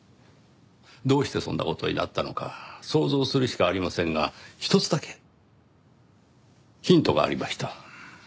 どうしてそんな事になったのか想像するしかありませんがひとつだけヒントがありました。